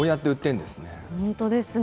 本当ですね。